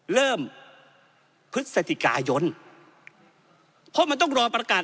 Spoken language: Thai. เริ่มพฤษฐิกายนเพราะมันต้องรอประกาศ